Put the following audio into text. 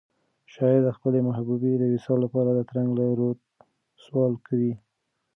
شاعر د خپلې محبوبې د وصال لپاره د ترنګ له روده سوال کوي.